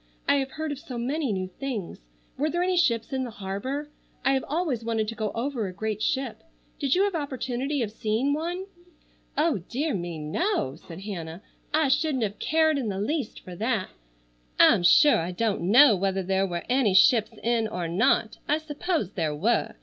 I have heard of so many new things. Were there any ships in the harbor? I have always wanted to go over a great ship. Did you have opportunity of seeing one?" "Oh, dear me. No!" said Hannah. "I shouldn't have cared in the least for that. I'm sure I don't know whether there were any ships in or not. I suppose there were.